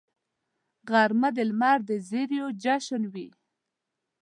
غرمه د لمر د زریو جشن وي